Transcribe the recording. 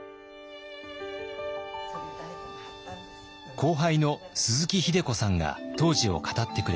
後輩の鈴木秀子さんが当時を語ってくれました。